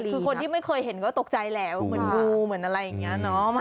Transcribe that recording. คือคนที่ไม่เคยเห็นก็ตกใจแล้วเหมือนงูเหมือนอะไรอย่างนี้เนาะ